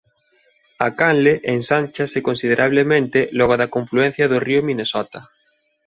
A canle ensánchase considerablemente logo da confluencia do río Minnesota.